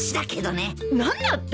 何だって！？